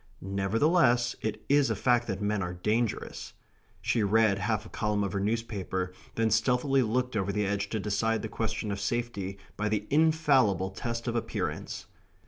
Nevertheless, it is a fact that men are dangerous. She read half a column of her newspaper; then stealthily looked over the edge to decide the question of safety by the infallible test of appearance....